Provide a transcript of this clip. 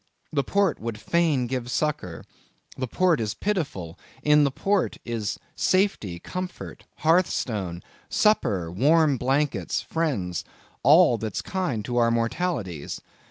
The port would fain give succor; the port is pitiful; in the port is safety, comfort, hearthstone, supper, warm blankets, friends, all that's kind to our mortalities.